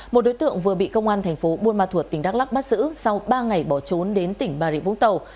một đối tượng vừa bị công an tp hcm tỉnh đắk lắc bắt giữ sau ba ngày bỏ trốn đến tỉnh bà rịa vũng tàu